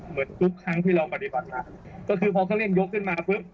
เหมือนทุกครั้งที่เราปฏิบัติมาก็คือพอเขาเล่นยกขึ้นมาปุ๊บ